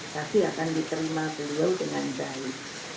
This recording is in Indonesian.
pasti akan diterima beliau dengan baik